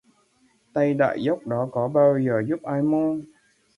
Tay đại dốc đó có bao giờ giúp ai mô